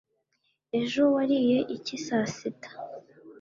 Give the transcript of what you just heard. ejo wariye iki saa sita